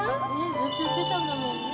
ずっと言ってたんだもんね。